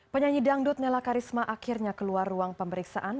penyanyi dangdut nela karisma akhirnya keluar ruang pemeriksaan